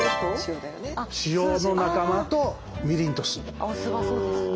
塩の仲間とみりんと酢。